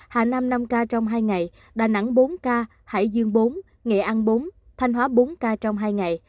trong ca trong hai ngày đà nẵng bốn ca hải dương bốn nghệ an bốn thanh hóa bốn ca trong hai ngày